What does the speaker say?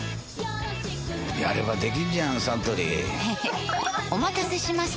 やればできんじゃんサントリーへへっお待たせしました！